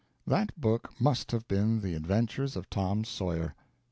That book must have been _The Adventures Of Tom Sawyer.